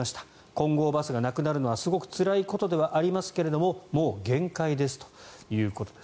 金剛バスがなくなるのはすごくつらいことではありますがもう限界ですということです。